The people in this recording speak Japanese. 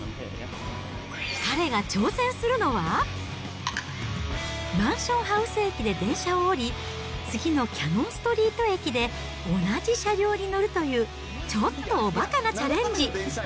彼が挑戦するのは、マンションハウス駅で電車を降り、次のキャノンストリート駅で同じ車両に乗るという、ちょっとおばかなチャレンジ。